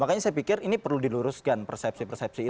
makanya saya pikir ini perlu diluruskan persepsi persepsi itu